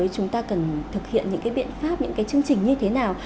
chúng ta cần thực hiện những cái biện pháp những cái chương trình như thế nào